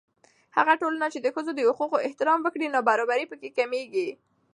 هغه ټولنه چې د ښځو د حقوقو احترام وکړي، نابرابري په کې کمېږي.